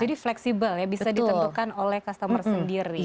jadi fleksibel ya bisa ditentukan oleh customer sendiri